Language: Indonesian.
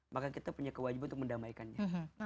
maka kita punya kewajiban untuk mendamaikannya